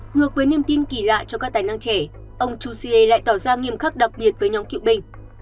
ngược với niềm tin kỳ lạ cho các tài năng trẻ ông jose lại tỏ ra nghiêm khắc đặc biệt với nhóm cựu binh